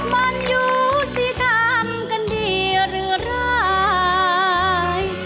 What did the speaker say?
มันอยู่ที่ทำกันดีหรือร้าย